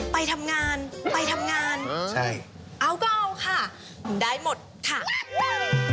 ไปทำงานไปทำงานเออใช่เอาก็เอาค่ะได้หมดค่ะ